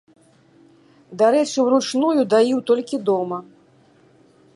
Дарэчы, уручную даіў толькі дома.